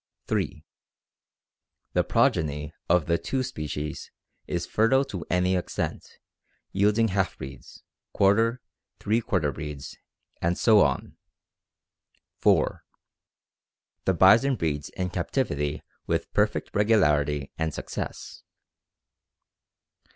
(3) The progeny of the two species is fertile to any extent, yielding half breeds, quarter, three quarter breeds, and so on. (4) The bison breeds in captivity with perfect regularity and success.